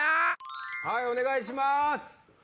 はいお願いします。